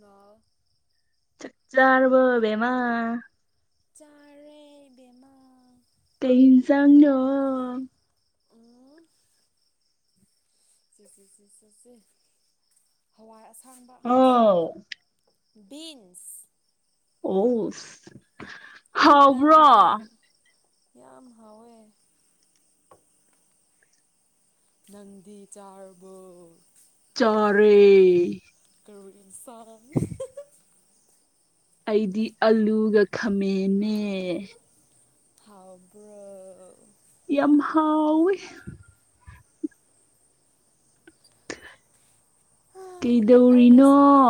Hello ꯆꯥꯛ ꯆꯥꯔꯕꯣ ꯕꯦꯝꯃ ꯆꯥꯔꯦ ꯕꯦꯝꯃ ꯀꯩ ꯏꯟꯖꯥꯡꯅꯣ ꯎꯝ ꯆꯦ ꯆꯦ ꯆꯦ ꯆꯦ ꯆꯦ ꯍꯋꯥꯏ ꯑꯁꯥꯡꯕ ꯑꯥꯎ ꯕꯤꯟꯁ ꯑꯣ ꯅꯪꯗꯤ ꯍꯥꯎꯕ꯭ꯔꯣ ꯌꯥꯝ ꯍꯥꯎꯋꯦ ꯅꯪꯗꯤ ꯆꯥꯔꯕꯣ ꯆꯥꯔꯦ ꯀꯔꯤ ꯏꯟꯁꯥꯡ ꯑꯩꯗꯤ ꯑꯂꯨꯒ ꯈꯥꯝꯃꯦꯟꯅꯦ ꯍꯥꯎꯕ꯭ꯔꯣ ꯌꯥꯝ ꯍꯥꯎꯋꯤ ꯑꯩ ꯀꯩꯗꯧꯔꯤꯅꯣ ꯉꯁꯥꯏ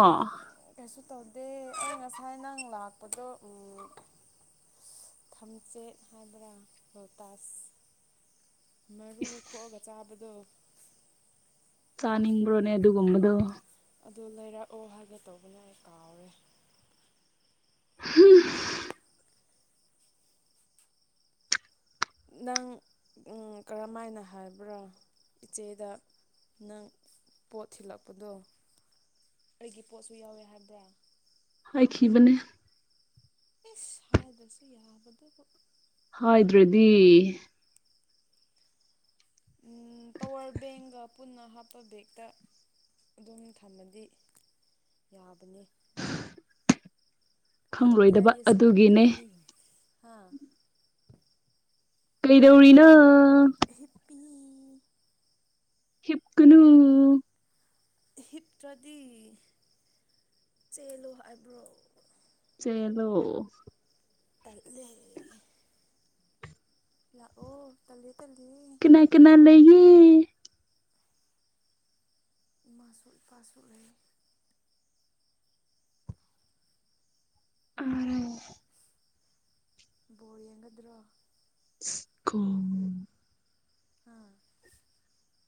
ꯀꯩꯁꯨ ꯇꯧꯗꯦ ꯑꯩ ꯉꯁꯥꯏ ꯅꯪ ꯂꯥꯛꯄꯗꯣ ꯎꯪ ꯊꯝꯆꯦꯠ ꯍꯥꯏꯕ꯭ꯔꯥ ꯂꯣꯇꯥꯁ ꯃꯔꯨ ꯏꯁ ꯈꯣꯛꯑꯒ ꯆꯥꯕꯗꯣ ꯆꯥꯅꯤꯡꯕ꯭ꯔꯣꯅꯦ ꯑꯗꯨꯒꯨꯝꯕꯗꯣ ꯑꯗꯨ ꯂꯩꯔꯛꯑꯣ ꯍꯥꯏꯒꯦ ꯇꯧꯕꯅꯦ ꯑꯩ ꯀꯥꯎꯔꯦ ꯍꯨꯝ ꯅꯪ ꯎꯝ ꯀꯔꯝ ꯃꯥꯏꯅ ꯍꯥꯏꯕ꯭ꯔꯥ ꯏꯆꯦꯗ ꯅꯪ ꯄꯣꯠ ꯊꯤꯜꯂꯛꯄꯗꯣ ꯑꯩꯒꯤ ꯄꯣꯠꯁꯨ ꯌꯥꯎꯋꯦ ꯍꯥꯏꯕ꯭ꯔꯥ ꯍꯥꯏꯈꯤꯕꯅꯦ ꯏꯁ ꯍꯥꯏꯗ꯭ꯔꯁꯨ ꯌꯕꯗꯨꯕꯨ ꯍꯥꯏꯗ꯭ꯔꯗꯤ ꯎꯝ ꯄꯋꯥꯔ ꯕꯦꯡꯒ ꯄꯨꯟꯅ ꯍꯥꯞꯄ ꯕꯦꯛꯇ ꯑꯗꯨꯝ ꯊꯝꯃꯗꯤ ꯌꯥꯕꯅꯤ ꯌꯣꯔ ꯈꯪꯂꯣꯏꯗꯕ ꯕ꯭ꯔꯦꯟ ꯏꯁ ꯅꯣꯠ ꯑꯗꯨꯒꯤꯅꯦ ꯕ꯭ꯔꯦꯟꯅꯤꯡ ꯍꯥꯥ ꯀꯩꯗꯧꯔꯤꯅꯣ ꯍꯤꯞꯄꯤ ꯍꯤꯞꯀꯅꯨ ꯍꯤꯞꯇ꯭ꯔꯗꯤ ꯆꯦꯜꯂꯨ ꯍꯥꯏꯕ꯭ꯔꯣ ꯆꯦꯜꯂꯣ ꯇꯜꯂꯦ ꯂꯥꯛꯑꯣ ꯇꯜꯂꯦ ꯇꯜꯂꯤ ꯀꯅꯥ ꯀꯅꯥ ꯂꯩꯌꯦ ꯏꯃꯥꯁꯨ ꯏꯄꯥꯁꯨ ꯂꯩ [unintelligible] ꯕꯣꯜ ꯌꯦꯡꯒꯗ꯭ꯔꯣ ꯑꯁ [unintelligible] ꯍꯥꯥ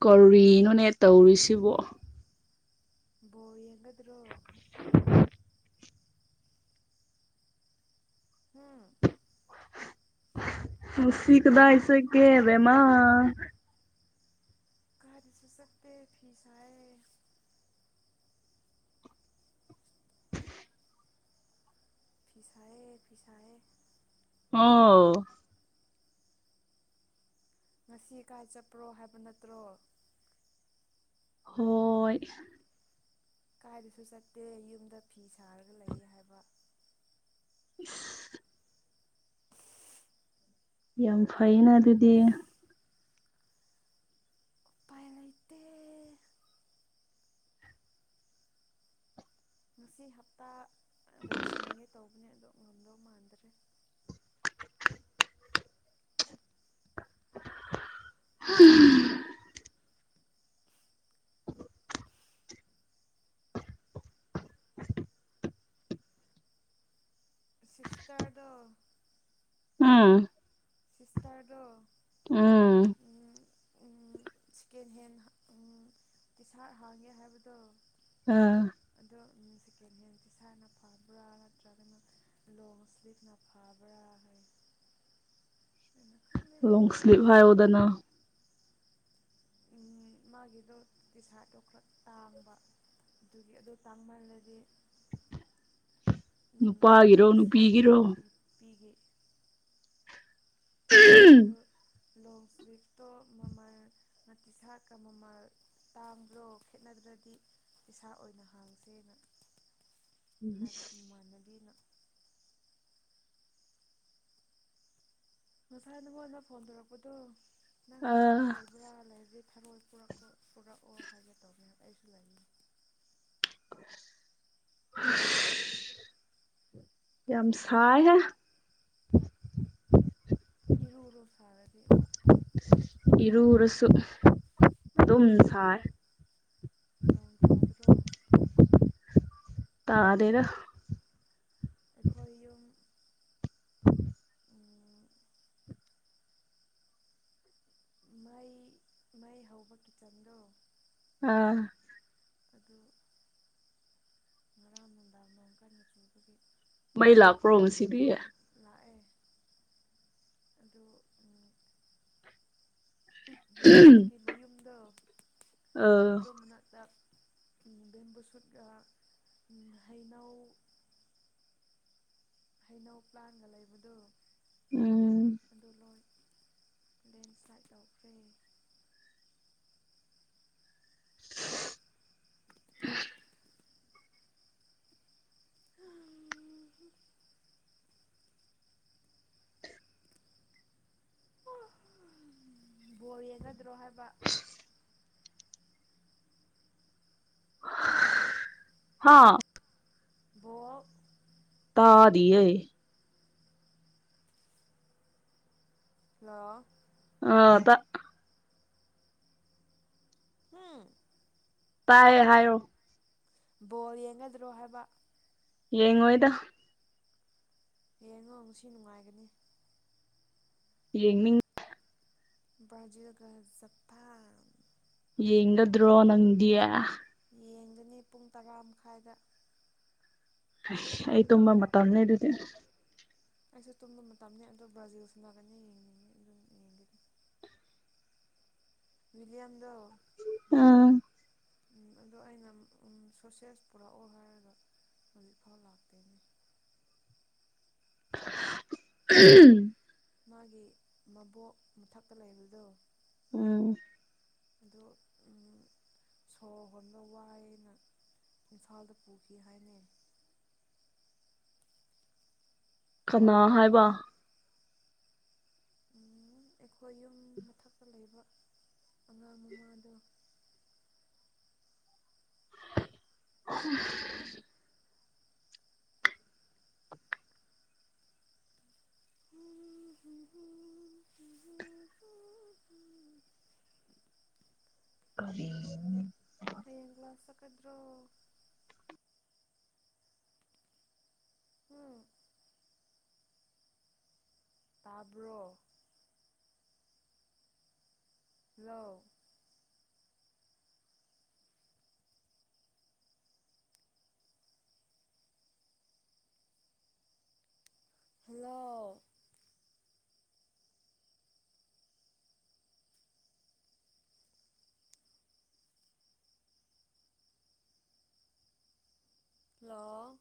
ꯀꯔꯤꯅꯣꯅꯦ ꯇꯧꯔꯤꯁꯤꯕꯣ ꯕꯣꯜ ꯌꯦꯡꯒꯗ꯭ꯔꯣ ꯎꯝ ꯉꯁꯤ ꯀꯗꯥꯏ ꯆꯠꯀꯦ ꯕꯦꯃ ꯀꯥꯏꯗꯁꯨ ꯆꯠꯇꯦ ꯐꯤ ꯁꯥꯏꯌꯦ [unintelligible] ꯐꯤꯁꯥꯏꯌꯦ ꯐꯤꯁꯥꯏꯌꯦ ꯑꯣ ꯉꯁꯤ ꯀꯥꯏ ꯆꯠꯄ꯭ꯔꯣ ꯍꯥꯏꯕ ꯅꯠꯇ꯭ꯔꯣ ꯍꯣꯏ ꯀꯥꯏꯗꯁꯨ ꯆꯠꯇꯦ ꯌꯨꯝꯗ ꯐꯤ ꯁꯥꯔꯒ ꯂꯩꯌꯦ ꯍꯥꯏꯕ [unintelligible] ꯌꯥꯝ ꯐꯩꯩꯅ ꯑꯗꯨꯗꯤ ꯎꯄꯥꯏ ꯂꯩꯇꯦ ꯉꯁꯤ ꯍꯞꯇꯥ ꯂꯣꯏꯁꯤꯟꯒꯦ ꯇꯧꯕꯅꯦ ꯑꯗꯣ ꯉꯝꯗꯧ ꯃꯥꯟꯗ꯭ꯔꯦ ꯍꯝ ꯁꯤꯁꯇꯔꯗꯣ ꯎꯝ ꯁꯤꯁꯇꯔꯗꯣ ꯎꯝ ꯎꯝ ꯎꯝ ꯁꯦꯀꯦꯟ ꯍꯦꯟ ꯎꯝ ꯇꯤꯁꯥꯔꯠ ꯍꯥꯡꯉꯦ ꯍꯥꯏꯕꯗꯣ ꯑꯥ ꯑꯗꯣ ꯎꯝ ꯁꯦꯀꯦꯟꯍꯦꯟ ꯇꯤꯁꯥꯠꯅ ꯐꯕ꯭ꯔꯥ ꯅꯠꯇ꯭ꯔꯒꯅ ꯂꯣꯡ ꯏꯁ꯭ꯂꯤꯞꯅ ꯐꯥꯕ꯭ꯔ ꯍꯥꯏ ꯑꯩꯅ ꯈꯪꯗꯦ ꯀ꯭ꯂꯤꯞ ꯍꯥꯌꯣꯗꯅ ꯎꯝ ꯃꯥꯒꯤꯗꯣ ꯇꯤꯁꯥꯔꯠꯇꯣ ꯈꯔ ꯇꯥꯡꯕ ꯑꯗꯨꯒꯤ ꯑꯗꯨ ꯇꯥꯡꯃꯜꯂꯗꯤ ꯅꯨꯄꯥꯒꯤꯔꯣ ꯅꯨꯄꯤꯒꯤꯔꯣ ꯄꯤꯒꯤ ꯑꯗꯨ ꯂꯣꯡ ꯁ꯭ꯂꯤꯞꯇꯣ ꯃꯃꯜ ꯇꯤꯁꯥꯛꯀ ꯃꯃꯜ ꯇꯥꯡꯕ꯭ꯔꯣ ꯈꯦꯠꯅꯗ꯭ꯔꯗꯤ ꯏꯁꯥ ꯑꯣꯏꯅ ꯍꯥꯡꯁꯦꯅ ꯍꯥꯏꯕ ꯃꯃꯥꯟꯅꯕꯤꯅ ꯉꯁꯥꯏ ꯅꯉꯣꯟꯗ ꯐꯣꯟ ꯇꯧꯔꯛꯄꯗꯣ ꯅꯪ ꯑ ꯕꯖꯥꯔꯗ ꯂꯩ ꯕ꯭ꯔꯥ ꯂꯩꯔꯗꯤ ꯊꯔꯣꯏ ꯄꯨꯔꯛꯑꯣ ꯄꯨꯔꯛꯑꯣ ꯍꯥꯏꯒꯦ ꯇꯧꯒꯦ ꯑꯩꯁꯨ ꯂꯩꯅꯤ ꯍꯁ ꯌꯥꯝ ꯁꯥꯢ ꯍꯦ ꯏꯔꯨꯔꯣ ꯁꯥꯔꯗꯤ ꯑꯃꯨꯛ ꯏꯔꯨꯔꯁꯨ ꯑꯗꯨꯝ ꯁꯥꯢ ꯅꯣꯡ ꯇꯕꯔꯣ ꯇꯥꯗꯦꯗ ꯑꯩꯈꯣꯏ ꯌꯨꯝ [unintelligible] ꯎꯝ ꯃꯩ ꯃꯩ ꯍꯧꯕ ꯀꯤꯠꯆꯟꯗꯣ ꯑꯥ ꯑꯗꯨ ꯉꯔꯥꯡꯅꯨꯡꯗꯥꯡ ꯅꯣꯡ ꯀꯟꯅ ꯆꯨꯕꯒꯤ ꯃꯩ ꯂꯥꯛꯄ꯭ꯔꯣ ꯉꯁꯤꯗꯤ꯫ ꯂꯥꯛꯑꯦ ꯑꯗꯨ ꯄꯤꯛꯀꯤ ꯑꯣꯛꯀꯤ ꯃꯌꯨꯝꯗꯣ ꯑꯗꯨ ꯃꯅꯥꯛꯇ꯫ ꯕꯦꯝꯕꯨ ꯁꯨꯠꯀꯥ ꯍꯩꯅꯧ ꯍꯩꯅꯧ ꯄ꯭ꯂꯥꯟꯒ ꯂꯩꯕꯗꯨ ꯎꯝ ꯑꯗꯨ ꯂꯣꯏ ꯂꯦꯟꯁ꯭ꯂꯥꯏꯠ ꯇꯧꯈ꯭ꯔꯦ꯫ [inaudible] ꯕꯣꯜ ꯌꯦꯡꯅꯗ꯭ꯔꯣ ꯍꯥꯏꯕ [unintelligible] ꯍꯝ ꯍꯥ ꯕꯣ ꯇꯥꯔꯤꯌꯦ ꯍꯜꯂꯣ ꯑꯇꯥ ꯍꯝ ꯇꯥꯏꯌꯦ ꯍꯥꯏꯌꯣ ꯕꯣꯜ ꯌꯦꯡꯒꯗ꯭ꯔꯣ ꯍꯥꯏꯕ ꯌꯦꯡꯑꯣꯏꯗ ꯌꯦꯡꯉꯣ ꯉꯁꯤ ꯅꯨꯡꯉꯥꯏꯒꯅꯤ꯫ ꯌꯦꯡꯅꯤꯡ ꯕ꯭ꯔꯥꯖꯤꯜꯒꯖꯞꯄꯥꯟ ꯌꯦꯡꯒꯗ꯭ꯔꯣ ꯅꯪꯗꯤ꯫ ꯌꯦꯡꯒꯅꯤ ꯄꯨꯡ ꯇꯔꯥ ꯃꯈꯥꯏꯗ꯫ ꯑꯩ ꯇꯨꯝꯕ ꯃꯇꯝꯅꯤ ꯑꯗꯨꯗꯤ꯫ ꯑꯩꯁꯨ ꯇꯨꯝꯕ ꯃꯇꯝꯅꯤ ꯑꯗꯣ ꯕ꯭ꯔꯥꯖꯤꯜ ꯁꯟꯅꯒꯅꯤ ꯌꯦꯡꯅꯤꯡꯉꯤ ꯑꯗꯨ ꯌꯦꯡꯒꯅꯤ꯫ ꯋꯤꯂꯤꯌꯥꯝꯗꯣ ꯑ ꯎꯝ ꯑꯗꯣ ꯑꯩꯅ ꯁꯣꯁꯦꯁ ꯄꯨꯔꯛꯑꯣ ꯍꯥꯏꯔꯒ ꯍꯧꯖꯤꯛꯐꯥꯎ ꯂꯥꯛꯇꯦꯅꯦ꯫ [unintelligible] ꯃꯥꯒꯤ ꯃꯕꯣꯛ ꯃꯊꯛꯇ ꯂꯩꯕꯗꯣ ꯎꯝ ꯑꯗꯣ ꯎꯝ ꯁꯣꯔ ꯍꯣꯟꯕ ꯋꯥꯏꯌꯦꯅ꯫ ꯏꯝꯐꯥꯜꯗ ꯄꯨꯈꯤ ꯍꯥꯏꯅꯦ꯫ ꯀꯅꯥ ꯍꯥꯏꯕ ꯑꯩꯈꯣꯏ ꯌꯨꯝ ꯃꯊꯛꯇ ꯂꯩꯕ ꯑꯉꯥꯡ ꯃꯃꯥꯗꯣ꯫ ꯍꯝ ꯀꯔꯤ ꯒꯂꯥꯁ ꯆꯠꯀꯗ꯭ꯔꯣ꯫ ꯎꯝ ꯇꯥꯕ꯭ꯔꯣ ꯍꯜꯂꯣ ꯍꯜꯂꯣ ꯍꯜꯂꯣ